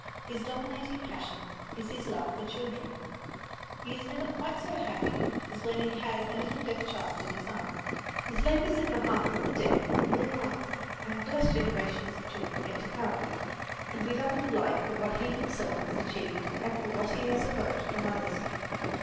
His dominating passion is his love for children. He is never quite so happy as when he has a little deaf child in his arms. His labours in behalf of the deaf will live on and bless generations of children yet to come; and we love him alike for what he himself has achieved and for what he has evoked from others.